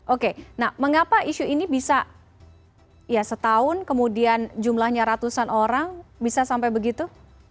oke nah mengapa isu ini bisa ya setahun kemudian jumlahnya ratusan orang bisa sampai begitu